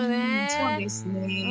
そうですね。